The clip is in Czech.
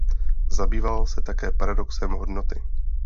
Zabýval se také paradoxem hodnoty.